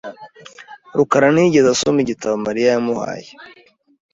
rukara ntiyigeze asoma igitabo Mariya yamuhaye .